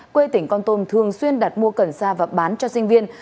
quê tỉnh con tum thường xuyên đặt mua cần sa và bán cho sinh viên